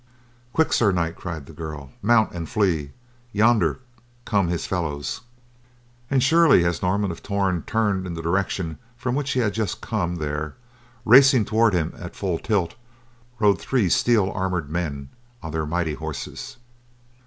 "Quick, Sir Knight!" cried the girl. "Mount and flee; yonder come his fellows." And surely, as Norman of Torn turned in the direction from which he had just come, there, racing toward him at full tilt, rode three steel armored men on their mighty horses.